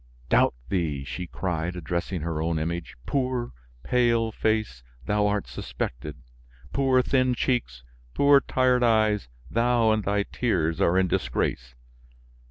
"Doubt thee!" she cried, addressing her own image; "poor, pale face, thou art suspected! poor thin cheeks, poor tired eyes, thou and thy tears are in disgrace.